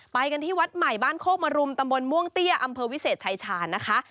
ไปกันที่วัดใหม่บ้านโคกมรุมตำบลม่วงเตี้ยอำเภอวิเศษชายชาญนะคะ